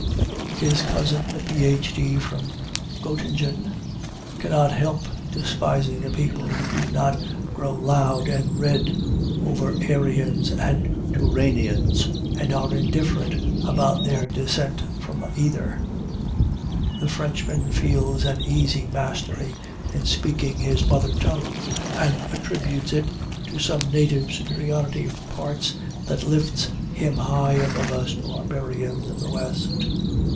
His cousin, the Ph.D. from Göttingen, cannot help despising a people who do not grow loud and red over Aryans and Turanians, and are indifferent about their descent from either. The Frenchman feels an easy mastery in speaking his mother tongue, and attributes it to some native superiority of parts that lifts him high above us barbarians of the West.